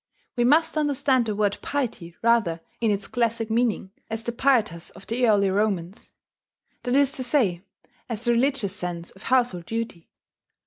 We must understand the word "piety" rather in its classic meaning, as the pietas of the early Romans, that is to say, as the religious sense of household duty.